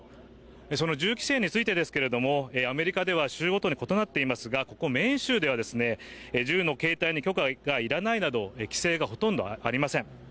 その銃規制について、アメリカでは州ごとに異なっていますがここメーン州では銃の携帯に許可がいらないなど規制がほとんどありません。